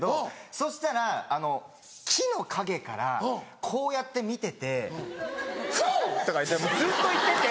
そしたら木の陰からこうやって見てて「フォ！」とかずっと言ってて。